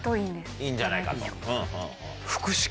いいんじゃないかと。